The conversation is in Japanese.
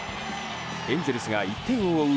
エンゼルスが１点を追う